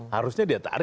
harusnya dia tarik